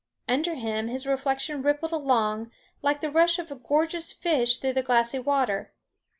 Under him his reflection rippled along, like the rush of a gorgeous fish through the glassy water.